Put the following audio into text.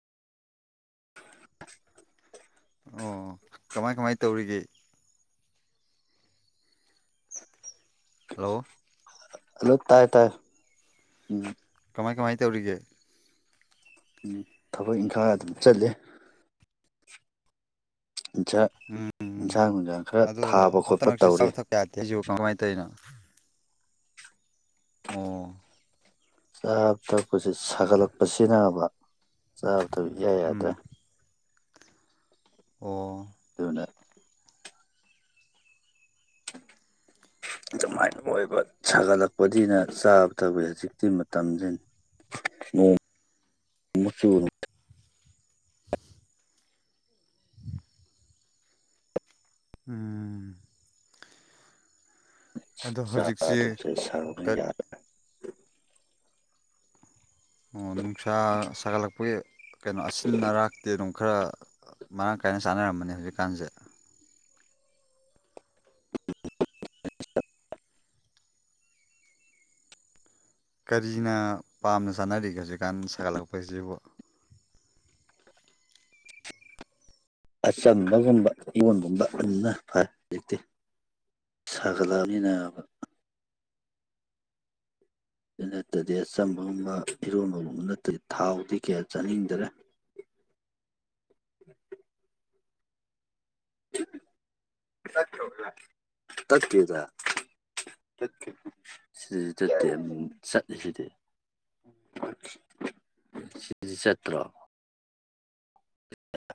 [unintelligible] ꯑꯣ ꯀꯃꯥꯏ ꯀꯃꯥꯏ ꯇꯧꯔꯤꯒꯦ ꯍꯜꯂꯣ ꯍꯜꯂꯣ ꯇꯥꯏ ꯇꯥꯏ ꯎꯝ ꯀꯃꯥꯏ ꯀꯃꯥꯏ ꯇꯧꯔꯤꯒꯦ ꯊꯕꯛ ꯏꯪꯈꯡ ꯑꯗꯨꯝ ꯆꯠꯂꯤ ꯏꯟꯖꯛ ꯎꯝ ꯎꯝ ꯏꯟꯖꯡ ꯅꯨꯡꯁꯥꯡ ꯈꯔ ꯊꯥꯕ ꯈꯣꯠꯄ ꯇꯧꯔꯤ ꯌꯌꯥꯗꯦꯍꯥꯏꯖꯤꯕꯨ ꯀꯃꯥꯏ ꯇꯩꯅꯣ ꯑꯣ ꯆꯥꯕ ꯊꯛꯄꯖꯦ ꯁꯥꯒꯠꯂꯛꯄꯁꯤꯅꯥꯕ ꯆꯥꯕ ꯊꯛꯄ ꯏꯌꯥ ꯎꯝ ꯌꯥꯗ꯭ꯔꯦ ꯑꯣ ꯑꯗꯨꯅ [unintelligible] ꯑꯗꯨꯃꯥꯏꯅ ꯑꯣꯏꯕ ꯁꯥꯒꯠꯂꯛꯄꯗꯤꯅ ꯆꯥꯕ ꯊꯛꯄ ꯍꯧꯖꯤꯛꯇꯤ ꯃꯇꯝ ꯖꯤꯅꯥ ꯅꯣꯡ ꯑꯃꯨꯛ ꯆꯨ [unintelligible] ꯎꯝ ꯑꯗꯣ ꯍꯧꯖꯤꯛꯁꯦ ꯆꯗꯧꯁꯦ ꯁꯥꯕꯅ ꯌꯥꯗꯕ ꯑꯣ ꯅꯨꯡꯁꯥ ꯁꯥꯒꯠꯂꯛꯄꯒꯤ ꯀꯩꯅꯣ ꯑꯁꯤꯟꯅ ꯑꯔꯥꯛꯇꯤ ꯑꯗꯨꯝ ꯈꯔ ꯃꯔꯥꯡ ꯀꯥꯏꯅ ꯆꯥꯟꯅꯔꯝꯃꯅꯤ ꯍꯧꯖꯤꯛꯀꯥꯟꯁꯦ ꯀꯔꯤꯅ ꯄꯥꯝꯅ ꯆꯥꯅꯔꯤꯒꯦ ꯍꯧꯖꯤꯛꯀꯥꯟ ꯁꯥꯒꯠꯂꯛꯄꯁꯤꯕꯨ ꯑꯆꯝꯕꯒꯨꯝꯕ ꯏꯔꯣꯟꯒꯨꯝꯕ ꯑꯗꯨꯗꯨꯅ ꯐꯥꯔꯦ ꯍꯧꯖꯤꯛꯇꯤ ꯁꯥꯒꯠ ꯂꯥꯃꯤꯅꯕ ꯑꯗꯨ ꯅꯠꯇꯗꯤ ꯑꯆꯝꯕꯒꯨꯝꯕ ꯏꯔꯣꯟꯕꯒꯨꯝꯕ ꯅꯠꯇꯗꯤ ꯊꯥꯎꯗꯤ ꯀꯌꯥ ꯆꯥꯅꯤꯡꯗꯔꯦ [unintelligible] ꯇꯠꯗꯦꯗ ꯁꯤꯗꯗꯤ ꯇꯠꯇꯦ ꯆꯠꯂꯤꯁꯤꯗꯤ [unintelligible] ꯁꯤꯗꯗꯤ ꯆꯠꯇ꯭ꯔꯣ